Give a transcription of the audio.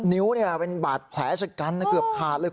นิ้วเป็นบาดแผลชะกันเกือบขาดเลย